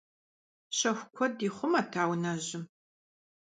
Щэху куэд ихъумэт а унэжьым.